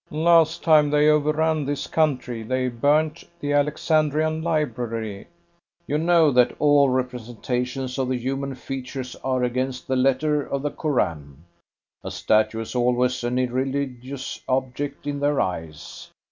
Last time they overran this country they burned the Alexandrian Library. You know that all representations of the human features are against the letter of the Koran. A statue is always an irreligious object in their eyes.